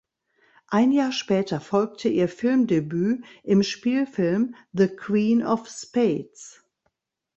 Ein Jahr später folgte ihr Filmdebüt im Spielfilm "The Queen of Spades".